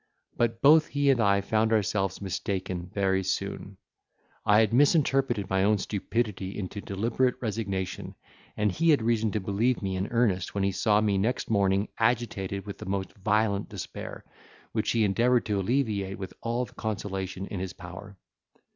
But both he and I found ourselves mistaken very soon. I had misinterpreted my own stupidity into deliberate resignation, and he had reason to believe me in earnest when he saw me next morning agitated with the most violent despair, which he endeavoured to alleviate with all the consolation in his power.